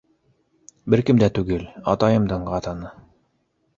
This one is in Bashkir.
-Бер кем дә түгел, атайымдың ҡатыны.